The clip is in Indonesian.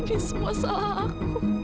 ini semua salah aku